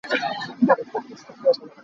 Metei tlai cu a thaw ngaingai.